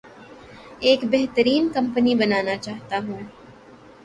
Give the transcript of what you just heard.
ایک بہترین کمپنی بنانا چاہتا ہوں